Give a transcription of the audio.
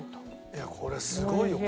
いやこれすごいよ。